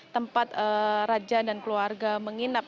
tempat raja dan keluarga menginap